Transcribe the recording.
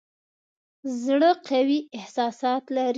زړه قوي احساسات لري.